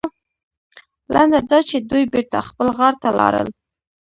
لنډه دا چې دوی بېرته خپل غار ته لاړل.